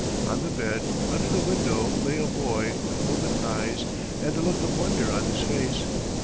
On the bed under the window lay a boy with open eyes and a look of wonder on his face.